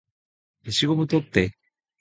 消しゴム取って